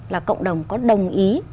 là cộng đồng có đồng ý